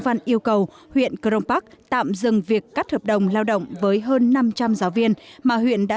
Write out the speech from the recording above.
văn yêu cầu huyện crong park tạm dừng việc cắt hợp đồng lao động với hơn năm trăm linh giáo viên mà huyện đã